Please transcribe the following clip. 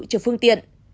cho phương tiện